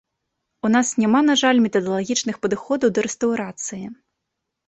У нас няма, на жаль, метадалагічных падыходаў да рэстаўрацыі.